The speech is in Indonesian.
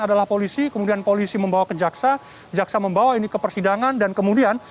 adalah polisi kemudian polisi membawa ke jaksa jaksa membawa ini ke persidangan dan kemudian